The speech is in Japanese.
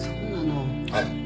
はい。